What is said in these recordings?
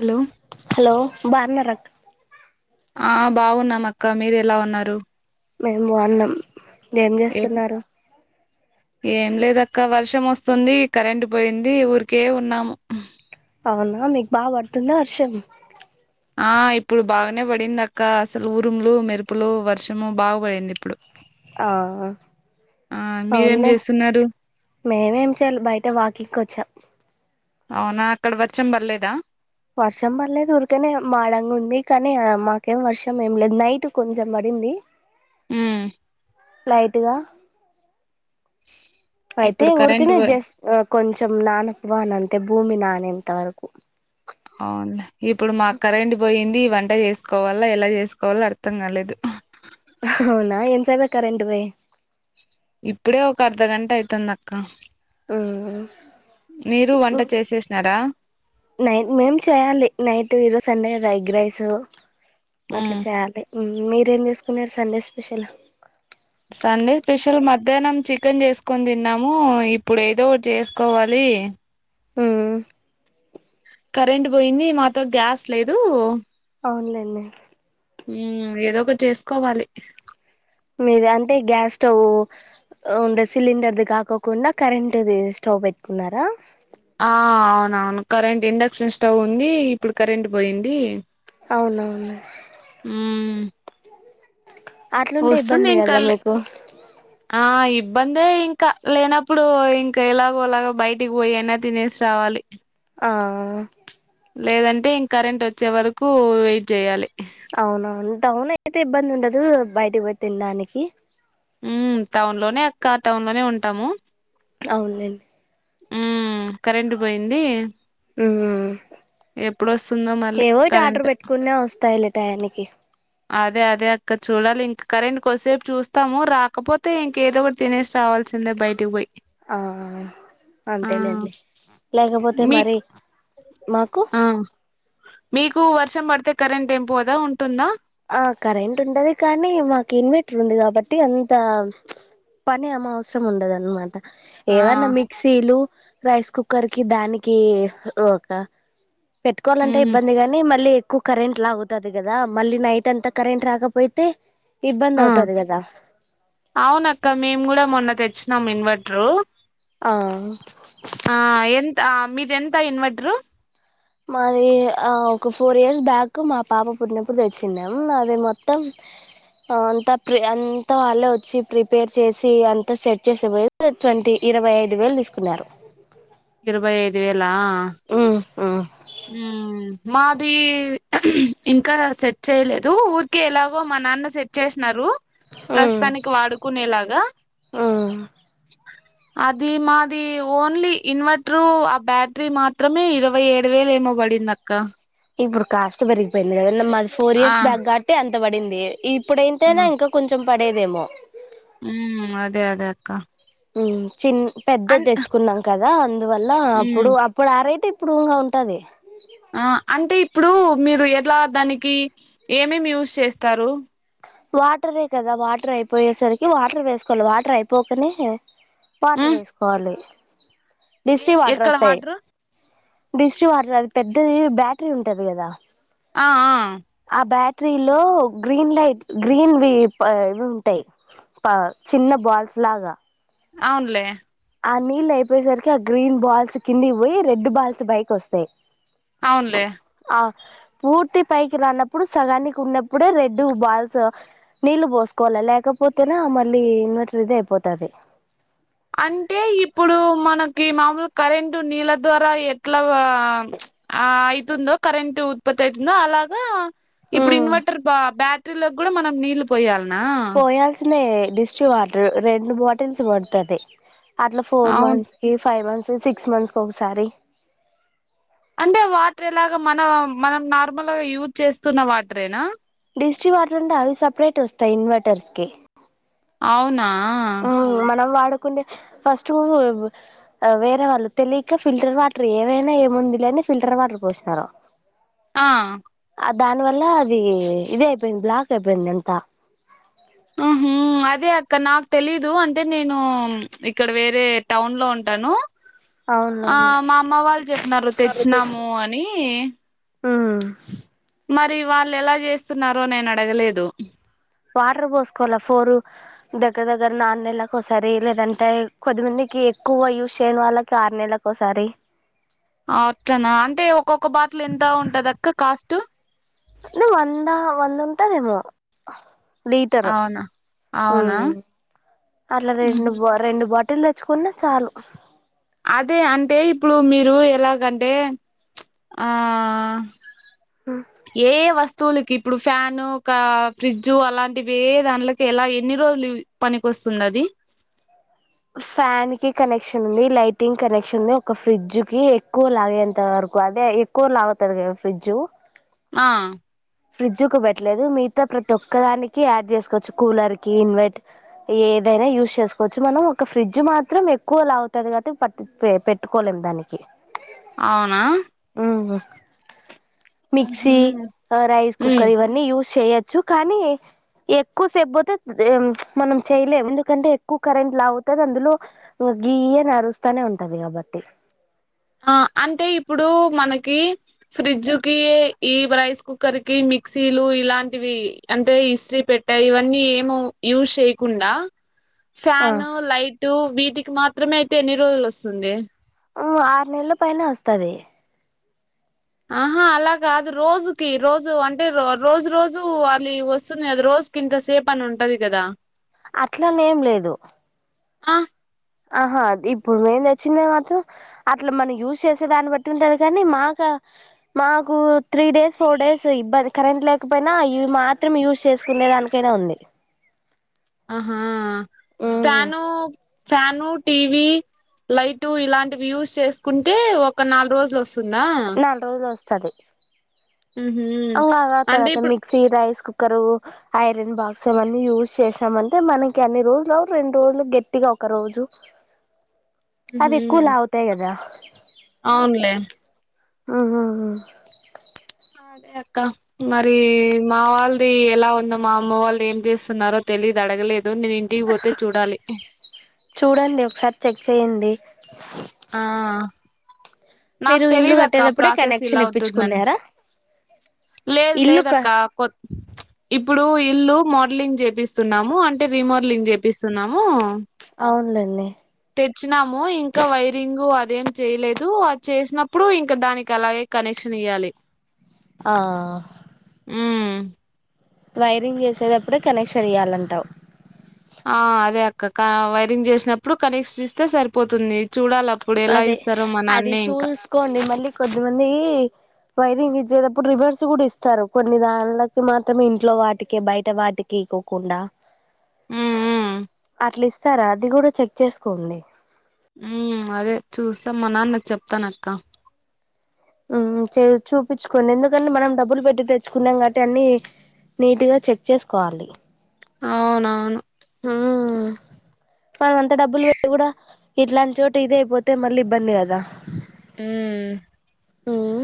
hello hello బానరక్క ఆ బాగున్నామక్క మీరు ఎలా ఉన్నారూ మేం బావున్నం ఏం జేస్తున్నారు ఏం లేదక్కా వర్షంమోస్తుందీ కరెంటు పోయిందీ ఊరికే ఉన్నాము అవునా మీక్ బా వడుతుందా అర్షం ఆ ఇప్పుడు బాగనే బడిందక్కా అసలు ఊరుములు మెరుపులూ వర్షము బాగ బడిందిప్పుడు ఆ మీరేం అవున్లే చేస్తున్నారు మేమేం చేయాలి బైట వాకింగ్కొచ్చాం అవునా అక్కడ వచ్చం బల్లేదా వర్షం బల్లేదూరకనే మాడంగుంది కనీ మాకేం వర్షం ఏం లేదు నైటు కొంచం బడి డిందీ ఊ లైటు గా అయితే ఇప్పుడు కరెంట్ ఊరుకినే పో జస్ట్ ఆ కొంచం నానపు వానంతే భూమి నానేంతవరకు టీ వంట యేస్కొవల్ల యెలా జేస్కోవాలో అర్థం గాలేదు అవునా ఏన్సే బ కరెంటు బోయి ఇప్పుడే ఒక అర్ధగంటయితందక్క మీరూ వంట చేసేసినారా నై మేం చేయాలి నైటూ ఈరోజు సండేగదా ఎగ్ రైస్ సూ అట్ల ఉమ్ చేయాలే మీరేం జేసుకున్నారు సండే స్పెషల్ సండే పెషల్ మధ్యానం చికన్ జేస్కొన్ దిన్నామూ ఇప్పుడేదో ఒట్ చేస్కోవాలీ [unintelligible] ఊ కరెంట్ పోయింది మాతో గ్యాస్ లేదూ అవున్లేండీ ఊ ఏదో ఒకటి చేస్కోవాలి మీదంటే గ్యాస్ స్టవ్ అండి సిలిండర్ ది కాకోకుండా కరెంట్ ది స్టవ్ పెట్టుకున్నారా ఆ అవునవును కరెంట్ ఇండక్షన్ స్టవ్ ఉంది ఇప్పుడు కరెంట్ పోయింది అవునవును అ అట్లుంటే ఇబ్బంది వస్తలేం కదా కాలే మీకు ఆ ఇద్ద ఇబ్బందే ఇంకా లేనప్పుడు ఇంకా ఎలాగోలాగ బయటికి పోయి అయినా తినేసి రావాలి ఆ లేదంటే ఇంకరెంట్ వచ్చే వరకు వెయిట్ చేయ్యాలి అవునవును టౌన్ అయితే ఇబ్బంది ఉండదు బయటకి పోయి తినడానికి ఉ టౌన్ లోనే అక్క టౌన్ లోనే ఉంటాము అవునులేండి ఆ కరెంట్ పోయింది ఎప్పుడొస్తుందో మళ్ళీ ఏవోటి ఆర్డర్ కరెంట్ పెట్టుకున వస్తాయిలే టైం కి అదే అదే అక్క చూడాలి ఇంకా కరెంట్ కొసేపు చూస్తాము రాకపోతే ఇంకేదో ఒకటి తినేసి రావాలి కూర్చుందా బయటటికి పోయి ఆ ఆ అంతేనండి లేకపోతే మరి మీకు నాకు ఆ మీకు వర్షం పడితే కరెంట్ ఎం పోదా ఉంటుందా ఆ కరెంట్ ఉండది కానీ మాకు ఇన్వెటర్ ఉంది కాబట్టి అంత పని అమ అవసరం ఉండదనమాట ఆ ఏవన్నా మిక్సీలు రైస్ కుక్కర్ కి దానికి ఒక పెట్టుకోవాలంటే ఉమ్ ఇబ్బంది గాని మళ్ళీ ఎక్కువ కరెంట్ లాగుతది కదా మళ్ళీ నైట్ అంతా కరెంట్ రాకపోతే ఇబ్బంది ఆ అవుతది కదా అవునక్క మేము కూడా మొన్న తెచ్చినాం ఇంవేటరు ఆ ఎంత ఆ మీది ఎంత ఇన్వర్టరు మాది ఆ ఒక ఫోర్ ఇయర్స్ బ్యాక్ మా పాప పుట్టినప్పుడు తెచ్చినం అది మొత్తం అంతా ప్రి అంతా వాళ్ళ వచ్చి ప్రిపేర్ చేసి అంతా సెట్ చేసే పోయి ట్వంటీ ఇరవై ఐదు వేలు తీసుకున్నారు ఇరవై ఐదు వేలా ఉమ్ ఉమ్ మాది ఇంకా సెట్ చేయలేదు ఊరికే ఎలాగో మ మా అన్న సెట్ చేసినారు ఉమ్ ప్రస్తుతానికి వాడుకునే లాగా ఉమ్ అది మాది ఓన్లీ ఇన్వర్టరు ఆ బ్యాటరీ మాత్రమే ఇరవై ఏడు రెండు వేలు ఏమో పడింది అక్క ఇప్పుడు కాస్ట్ పెరిగిపోయింది కద మాది ఫోర్ ఆ ఇయర్స్ బ్యాక్ కాట్టి అంత పడింది ఇప్పుడైతేనా ఇంకా కొంచెం పడేదేమో ఉ అదే అదే అక్క చిన్న పెద్దది అన్ తెచ్చుకున్నాం కదా అందువల్ల ఉమ్ అప్పుడు అప్పుడు ఆ రేటే ఇప్పుడు ఉంటది ఆ అంటే ఇప్పుడు మీరు ఎట్లా దానికి ఏమేమి యూస్ చేస్తారు వాటరే కదా వాటర్ అయిపోయేసరికి వాటర్ వేసుకోవాలి వాటర్ అయిపోకనే వాటర్ ఉమ్ వేసుకోవాలి డిసి వాటర్ ఎక్కడ వస్తాయి వాటరు డిస్ వాటర్ అది పెద్దది బ్యాటరీ ఉంటది కదా ఆ ఆ ట్రీ లో గ్రీన్ లైట్ గ్రీన్వి ప ఇవి ఉంటాయి ప చిన్న బాల్స్ లాగా అవున్లే ఆ నీళ్లు అయిపోయేసరికి ఆ గ్రీన్ బాల్స్ కింది పోయి రెడ్ బాల్స్ బైకి వస్తాయి అవున్లే ఆ పూర్తి పైకి రాన్నప్పుడు సగానికి ఉన్నప్పుడే రెడ్డు బాల్స్ నీళ్లు పోసుకోవాలి లా లేకపోతేనా మళ్ళీ ఇన్వర్టర్లాదే అయిపోతది అంటే ఇప్పుడు మనకి మామూలు కరెంటు నీళ్ళ ద్వారా ఎట్లా ఆ ప్చ్ ఆ అయ్తుందో కరెంట్ ఉత్పత్తి అయ్తుందో అలాగా ఇప్పుడు ఇన్వర్టర్ బా బ్యాటరీలో కూడా మనం నీళ్లు పోయాలి పోయాల్సిందే డిస్ వాటర్ రెండు బాటిల్స్ పడ్తాది అట్లా ఫోర్ అవును మంత్స్ కి ఫైవ్ మంత్స్ కి సిక్స్ మంత్స్ కి ఒకసారి అంటే వాటర్ ఎలాగా మన మనం నార్మల్ గా యూజ్ చేస్తున్న వాటరేనా డిష్టి వాటర్ ఉంటే అవి సపరేట్ వస్తాయి ఇన్వర్టర్స్ కి అవునా హ్మ్ మనం వాడ్ కుంటే ఫస్ట్ వేరే వాళ్ళు తెలియక ఫిల్టర్ వాటర్ ఏవైనా ఏముందిలే అన్ ఫిల్టర్ వాటర్ పోసినారు ఆ ఆ దాని వల్ల అది ఇది అయిపోయింది బ్లాక్ అయిపోయింది అంత అహ ఆ అదే అక్క నాక్ తెలీదు అంటే నేను ప్చ్ ఇక్కడ వేరే టౌన్ లో ఉంటాను ఆ అవునవును మా అమ్మ వాళ్ళు చెప్పినారు తెచ్చినాము అని హ్మ్ మరి వాళ్ళు ఎలా చేస్తున్నారో నేను అడగలేదు వాటర్ పోసుకోవాల ఫోరు దగ్గర దగ్గర నాన్నెలాకి ఒకసారి లేదంటే కొద్దిమంది కి ఎక్కువ యూస్ చెయ్యని వాళ్ళకి ఆరు నెలకి ఒకసారి అ అట్లనా అంటే ఒక్కొక్క బాటిల్ ఎంత ఉంటంది అక్క కాస్ట్ నువ్వు వంద వంద ఉంటదేమో లీటరు అవునా అవునా మ్మ్ అట్లా రెండు బా రెండు బాటిల్ పోయ్చ్చుకున్న చాలు అదే అంటే ఇప్పుడు మీరు ఎలాగంటే ప్చ్ ఆ ఏ ఏ వస్త్ వస్తువులకి ఇప్పుడు ఫ్యాన్ ఒక ఫ్రిడ్జ్ అలాంటివి దానికి ఎలా ఎన్ని రోజులు పనికొస్థాయి స్తున్దాది అ ఫ్యాన్ కి కనెక్షన్ ఉంది లైటింగ్ కనెక్షన్ ఉంది ఒక ఫ్రిడ్జ్ కి ఎక్కువ లాగేంత వరకు ఎక్కు అదే ఎక్కువ లాగతాంది కాద ఫ్రిడ్జ్ ఆ ఫ్రిడ్జ్ కు పెట్టలేదు మీతో ప్రతి ఒక్క దానికి యాడ్ చేసుకోవచ్చు కూలర్ కి ఇన్వర్ట్ ఏ ఏదైనా యూజ్ చేసుకోవచ్చు మనం ఒక ఫ్రిడ్జ్ మాత్రం ఎక్కువ లాగతాంది కాబట్టి పట్టి పెట్టుకోలేం దానికి అవునా హ్మ్ మిక్సీ హు రైస్ కుక్కర్ ఇవన్నీ యూస్ చేయొచ్చు కానీ ఎక్కువ సేపు పోతే మనం చెయలేము ఎందుకంటే ఎక్కువ కరెంట్ లా అవుతుంది అందులో గీ అనరుస్తానే ఉంటది కాబట్టి ఆ అంటే ఇప్పుడు మనకి ఫ్రిడ్జ్కి ఈ రైస్ కుక్కర్ కి మిక్సీలు ఇలాంటివి అంటే ఇస్త్రీ పెట్టే ఇవన్నీ ఏమో యూజ్ చేయకుండా ఆ ఫ్యాను లైటు వీటికి మాత్రమే అయితే ఎన్ని రోజులొస్తుంది ఓ ఆరు నెల్లు పైనే వస్తది ఆహా అలాకాదు రోజుకి రోజు అంటే రో రోజు రోజు అలి వస్తుంది కదా రో స్కిన్ త సేపనుంటది కదా అట్లనేం లేదు ఆ ఆహా అ ఇప్పుడు మేము తెచ్చింది మాత్రం అట్లా మనం యూజ్ చేసే దాన్ని బట్టి ఉంటది కానీ మాక మాకు త్రీ డేస్ ఫోర్ డేస్ ఇబ్బంది కరెంట్ లేకపోయినా ఇవి మాత్రం యూజ్ చేసుకు కునేదానికైనా ఉంది ఆహా ఉమ్ ఫానూ ఫ్యాను టీవీ లైటు ఇలాంటివి యూస్ చేసుకుంటే ఒక నాల్ రోజు లోస్ నాల్ రోజులొస్తది ఉహు అంగ రాత అంటే రాతే ఇప్పుడు mixie rice cooker iron box అవన్నీ యూజ్ చేసామంటే మనకి అన్ని రోజులు రెండు రోల్ గేట్టిగా ఒక్క రోజు ఉహు అవేక్కువ లాగుతాయి కదా అవునులే ఆహాహా అదే అక్క మరి మా వాళ్ళది ఎలా ఉందో మా అమ్మ వాళ్ళు ఏం చేస్తున్నారో తెలి దు అడగలేదు నేన్ ఇంటికి పోతే చూడాలి చూడండి ఒకసారి చెక్ చేయండి ఆ నాక్ మీరు ఇండ్లు తెలిదక్క కట్టేటప్పుడే ప్రాసెస్ కనెక్షన్ ఇలా ఉంటుందని ఇప్పించుకున్నారా లేద్ ఇల్లు క లేదక్క కొత్ ఇప్పుడు ఇల్లు మోడ్లింగ్ చేపిస్తున్నాము అంటే రీమోడ్లింగ్ చేపిస్తున్నాము అవున్ లేండి ఇచ్చినాము ఇంకా వైరింగు అదేం చేయ్ లేదు చేసినప్పుడు ఇంకా దానికి అలాగే కనెక్షన్ ఇయ్యాలే ఆ వైరింగ్ చేసేదప్పుడే కనెక్షన్ ఇయ్యాలంటావ్ ఆ అదే అక్క కా వైరింగ్ చేసినప్పుడు కనెక్షన్ ఇస్తే సరిపోతుంది చూడాల అదే అది చూస్ కోండి మళ్లి కొద్దిమందీ వైరింగ్ గిచ్చేదప్పుడు రివర్స్ కూడా ఇస్తారు కొన్ని దాన్ లకి మాత్రమే ఇంట్లో వాటికి బయట వాటికి ఇకోకుండా ఉమ్ ఉమ్ అట్లీ స్తారా అది కూడా చెక్ చేస్ కోండి ఊమ్ అదే చూస్తాం మా నాన్నక్ చెప్తానక్క ఊమ్ చో చూపించుకోండి ఎందుకంటే మనం డబ్బులు పెట్టి తెచ్చుకున్నాం కాబట్టి అన్ని నీటి గా చెక్ చేస్ కోవాలి అవునవును హూ మనం అంత డబ్బులు పెట్టి కూడా ఇట్లాంటి చోట ఇద అయిపోతే మళ్ళీ ఇబ్బంది కదా హూ ఉమ్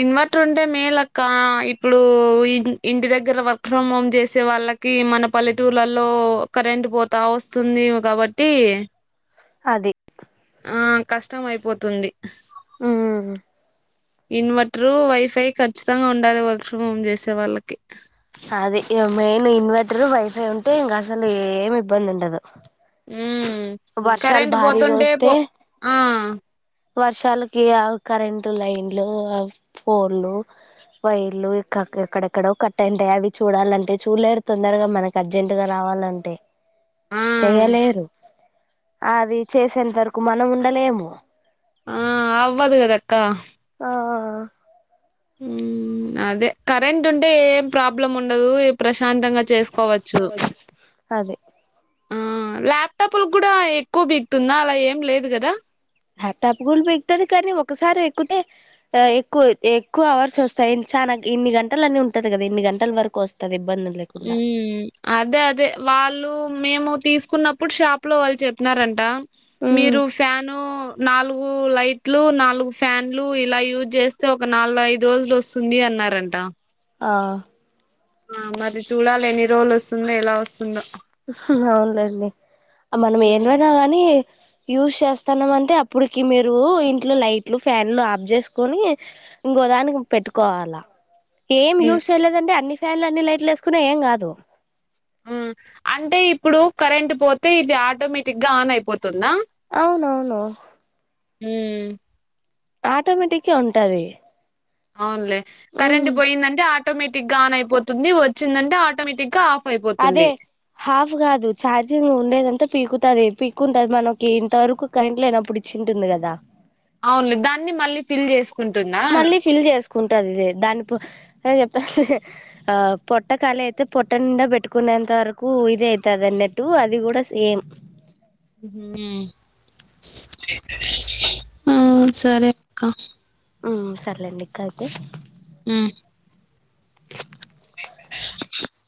ఇన్వర్టర్ ఉంటే మే లక్క ఇప్పుడు ఇం ఇంటి దగ్గర వర్క్ ఫ్రమ్ హోమ్ చేసే వాళ్ వాళ్ళకి మన పల్లెటూర్లలో కరెంట్ పోతా వస్తుంది ఏమో కాబట్టి అది ఆ కష్టం అయిపోతుంది ఉమ్ ఇన్వర్టరు వైఫై ఖచ్చితంగా ఉండాలి వర్క్ ఫ్రమ్ హోమ్ చేసే వాళ్ళకి అది ఇగ మెయిన్ ఇన్వర్టర్ వైఫై ఉంటే ఇంకా అసలు ఏమి ఇబ్బంది ఉండదు హ్మ్ వర్షాలు కరెంట్ భారీగా పోతుంటే వస్తే పో ఆ వర్షాలకి ఆ కరెంటు లైన్లు ఆ ఫోల్లు వైర్లు ఇక్క ఎక్కడెక్కడో కట్టయింటాయి అవి చూడాలంటే చూడలేరు తొందరగా మనకి అర్జెంట్గా రా రావాలంటే ఆ చెయ్యలేరు అది చేసేంత వరకు మనం ఉండలేము ఆ అవ్వదు కదా అక్క ఆ హ్మ్ అదే కరెంట్ ఉంటే ఏం ప్రాబ్లం ఉండదు ఈ ప్రశ్ శాంతంగా చేసుకోవచ్చు అదే ఆ ల్యాప్ టాప్ లకు కూడా ఎక్కువ పీగుతుందా అలా ఏం లేదు కదా లాప్ టాప్ కూడా పీకుతది కానీ ఒకసారి ఎక్కుతే ఆ ఎక్కువ ఎక్కువ అవర్స్ వస్తాయి చాలా ఇన్ని గంటల అని ఉంటది కదా ఇన్ని గంటల వరకు వస్తుంది ఉమ్ అదే అదే వాళ్ళు మేము తీసుకున్నప్పుడు షాప్ లో వాళ్ళు చెప్పినారంట మీరు ఫ్యాను నాలుగు లైట్లు నాలుగు ఫ్యాన్లు ఇలా యూజ్ చేస్తే ఒక నాలుగు ఐదు రోజులు వస్తుంది అన్ అన్నారంటా ఆ ఆ మరి చూడాలి ఎన్ని రోజులు వస్తుందో ఎలా వస్తుందో హ్మ్ హు అవునులేండి మనం హ్మ్ ఏంటివన్న కానీ యూజ్ చేస్తాన్నామ్ అంటే అప్పటికి మీరు ఇంట్లో లైట్లు ఫ్యాన్లు ఆఫ్ చేసుకోని ఇంకో దానికి పెట్టుకోవాలా ఏం హ్మ్ యూజ్ చేయలేదంటే అన్ని ఫ్యాన్లు అన్ని లైట్లు వేసుకున్నా ఏం కాదు మ్ అంటే ఇప్పుడు కరెంట్ పోతే ఇది ఆటోమేటిక్ గా ఆన్ అయిపోతుందా అవునవును హ్మ్ ఆటోమేటిక్ ఏ ఉంటది అవునులే ఉమ్ కరెంట్ పోయిందంటే ఆటోమేటిక్ గా ఆన్ అయిపోతుంది వచ్చిందంటే ఆటోమేటిక్ గా ఆఫ్ అదే అయిపోతుంది హాఫ్ కాదు చార్జింగ్ ఉండేదంతా పీకు అదే పీక్కుంటది మనకి ఇంత వరకు కరెంట్ లో లేనప్పుడు ఇచ్చింటుంది కదా అవునులే దాన్ని మళ్ళీ ఫిల్ చేసు మళ్ళీ ఫిల్ చేసుకుంటదిలే దాని చెప్త ఆ పొట్ట ఖాళీ అయితే పొట్ట నిండా పెట్టుకునేంత వరకు కు ఇద అయితాది అన్నట్టు అది కూడా సేమ్ హ్మ్ హు ఆ ఆ సరే అక్క ఆ సరేలేండి ఇంకా అయితే హ్మ్ [inaudible]